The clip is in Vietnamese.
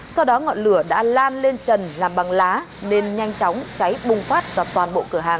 sau đó ngọn lửa đã lan lên trần làm bằng lá nên nhanh chóng cháy bùng phát do toàn bộ cửa hàng